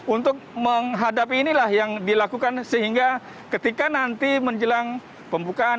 untuk menghadapi inilah yang dilakukan sehingga ketika nanti menjelang pembukaan